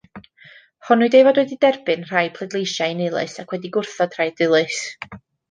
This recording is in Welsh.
Honnwyd ei fod wedi derbyn rhai pleidleisiau annilys ac wedi gwrthod rhai dilys.